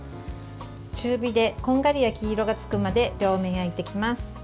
中火でこんがり焼き色がつくまで両面焼いていきます。